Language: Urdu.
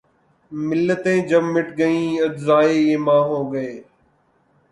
ملتیں جب مٹ گئیں‘ اجزائے ایماں ہو گئیں